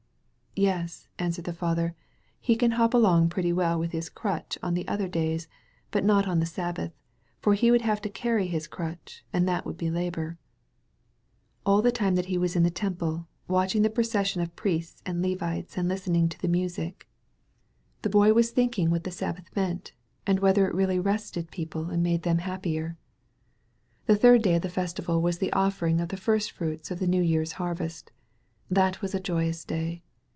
"Yes," answered the father, "he can hop along pretty well with his crutdi on other days, but not on the Sabbath, for he would have to carry his crutch, and that would be labor." All the time he was in the Temple, watching the procession of priests and Levites and listening to 275 THE VALLEY OF VISION the music, the Boy was thinking what the Sab bath meant, and whether it really rested people and made them happier. The third day of the festival was the offering of the first fruits of the new year's harvest. That was a joyous day.